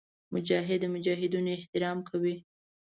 مجاهد د مجاهدینو احترام کوي.